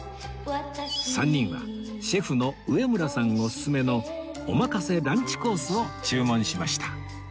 ３人はシェフの植村さんオススメのおまかせランチコースを注文しました